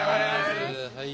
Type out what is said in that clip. はい。